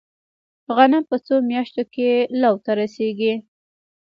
غنم په څو میاشتو کې لو ته رسیږي؟